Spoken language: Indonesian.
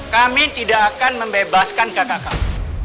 kami tidak akan membebaskan kakak kami